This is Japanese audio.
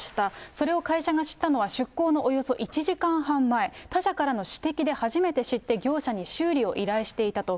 それを会社が知ったのは、出航のおよそ１時間半前、他社からの指摘で初めて知って業者に修理を依頼していたと。